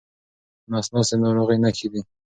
نس ناستي د ناروغۍ نښې دي.